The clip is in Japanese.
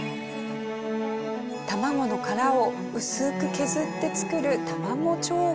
卵の殻を薄く削って作る卵彫刻。